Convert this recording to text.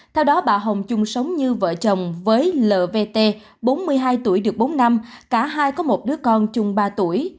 theo đó bà hồng chung sống như vợ chồng với lv t bốn mươi hai tuổi được bốn năm cả hai có một đứa con chung ba tuổi